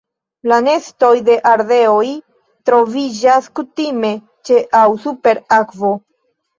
La nestoj de ardeoj troviĝas kutime ĉe aŭ super akvo.